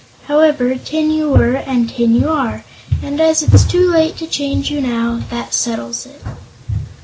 However, tin you were, and tin you are, and as it's too late to change you, that settles it."